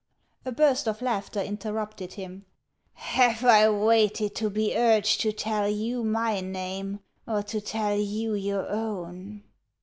A burst of laughter interrupted him. " Have I waited to be urged to tell you my name, or to tell you your own